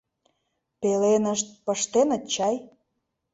Пеленышт пыштеныт чай.